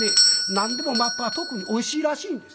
何でもマップは特においしいらしいんです。